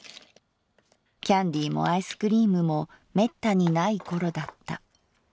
キャンディーもアイスクリームもめったにない頃だった」。